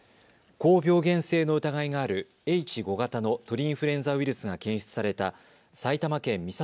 高病原性の疑いがあるＨ５型の鳥インフルエンザウイルスが検出された埼玉県美里